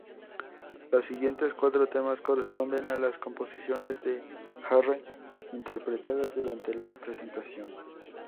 Los siguientes cuatro temas corresponden a las composiciones de Jarre interpretadas durante la presentación.